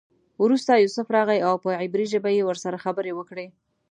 وروسته یوسف راغی او په عبري ژبه یې ورسره خبرې وکړې.